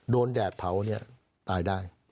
แดดเผาเนี่ยตายได้